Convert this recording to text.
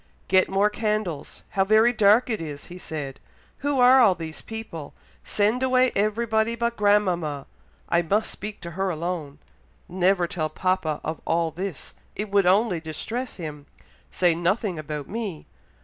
"Get more candles! how very dark it is!" he said. "Who are all those people? Send away everybody but grandmama! I must speak to her alone. Never tell papa of all this, it would only distress him say nothing about me.